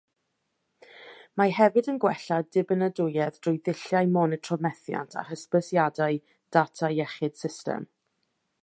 Mae hefyd yn gwella dibynadwyedd drwy ddulliau monitro methiant a hysbysiadau data iechyd system.